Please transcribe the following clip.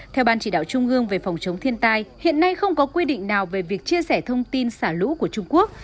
theo ban chỉ đạo trung ương về phòng chống thiên tai hiện nay không có quy định nào về việc chia sẻ thông tin xả lũ của trung quốc